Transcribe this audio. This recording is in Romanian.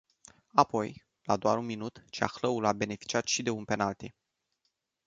Apoi, la doar un minut, Ceahlăul a beneficiat și de un penalty.